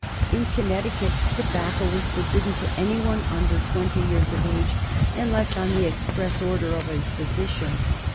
In Connecticut tobacco was forbidden to any one under twenty years of age, unless on the express order of a physician.